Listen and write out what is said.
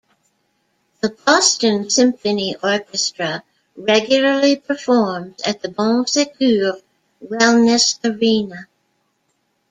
The Boston Symphony Orchestra regularly performs at the Bon Secours Wellness Arena.